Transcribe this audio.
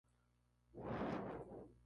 Fue una etapa tumultuosa.